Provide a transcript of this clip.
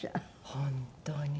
本当に。